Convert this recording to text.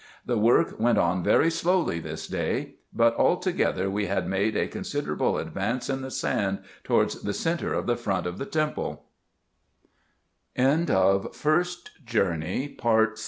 The work went on very slowly this day ; but altogether we had made a considerable advance in the sand, towards the centre of the front of the temple.